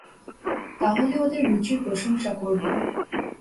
তা হলে ওদের রুচির প্রশংসা করব।